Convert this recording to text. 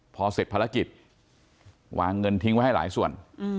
พอเสร็จภารกิจวางเงินทิ้งไว้ให้หลายส่วน